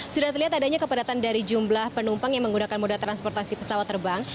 sudah terlihat adanya kepadatan dari jumlah penumpang yang menggunakan moda transportasi pesawat terbang